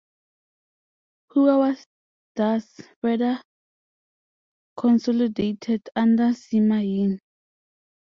Power was thus further consolidated under Sima Ying.